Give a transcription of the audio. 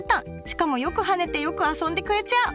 しかもよく跳ねてよく遊んでくれちゃう！